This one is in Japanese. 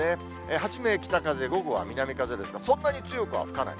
初め北風、午後は南風ですが、そんなに強くは吹かない。